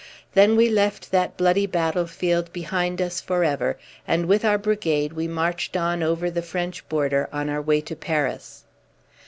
Then we left that bloody battle field behind us for ever, and with our brigade we marched on over the French border on our way to Paris.